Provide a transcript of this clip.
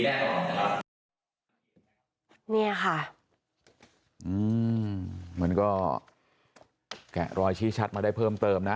เนี่ยค่ะอืมมันก็แกะรอยชี้ชัดมาได้เพิ่มเติมนะ